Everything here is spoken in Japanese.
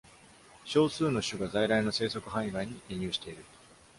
少数の種が在来の生息範囲外に移入している。